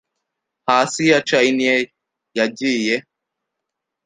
Hasi ya chiney yagiye